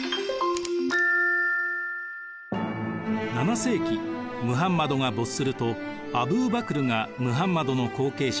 ７世紀ムハンマドが没するとアブー・バクルがムハンマドの後継者